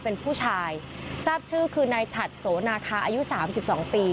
เป็นผู้ชายทราบชื่อคือนายฉัดโสนาคาอายุสามสิบสองปี